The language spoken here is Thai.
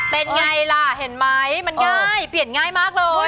เป็นไงล่ะเห็นไหมมันง่ายเปลี่ยนง่ายมากเลย